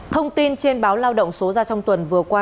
thông tin trên báo lao động số ra trong tuần vừa qua